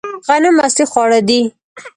غنم اصلي خواړه دي